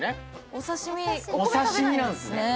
お刺し身なんすね。